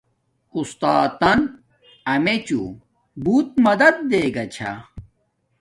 اُستات تن امیچوں بوت مدد دیگا چھا